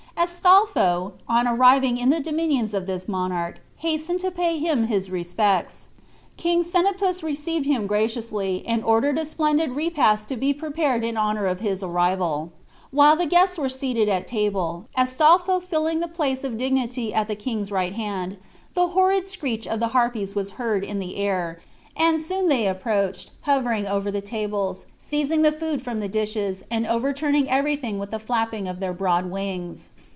Astolpho, on arriving in the dominions of this monarch, hastened to pay him his respects. King Senapus received him graciously, and ordered a splendid repast to be prepared in honor of his arrival. While the guests were seated at table, Astolpho filling the place of dignity at the king's right hand, the horrid scream of the Harpies was heard in the air, and soon they approached, hovering over the tables, seizing the food from the dishes, and overturning everything with the flapping of their broad wings.